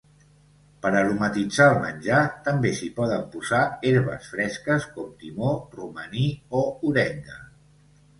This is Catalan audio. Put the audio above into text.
Per aromatitzar el menjar, també s'hi poden posar herbes fresques com timó, romaní o orenga.